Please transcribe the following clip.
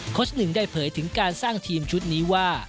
ชหนึ่งได้เผยถึงการสร้างทีมชุดนี้ว่า